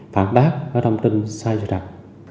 phản bác và thông tin sai cho đặc